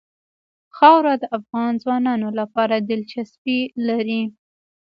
خاوره د افغان ځوانانو لپاره دلچسپي لري.